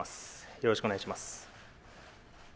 よろしくお願いします。